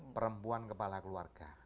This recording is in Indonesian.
perempuan kepala keluarga